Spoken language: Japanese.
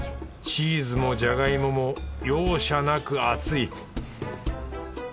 チーズもじゃがいもも容赦なく熱い。